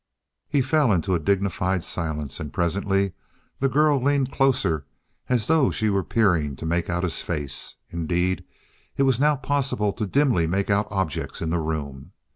He fell into a dignified silence, and presently the girl leaned closer, as though she were peering to make out his face. Indeed, it was now possible to dimly make out objects in the room.